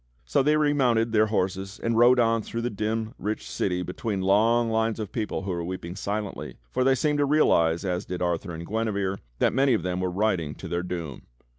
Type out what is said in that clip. So they remounted their horses and rode on through the dim, rich city between long lines of people who were weeping silently, for they seemed to realize, as did Arthur and Guinevere, that manj^ of them were riding to their doom.